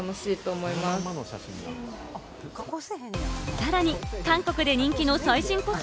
さらに韓国で人気の最新コス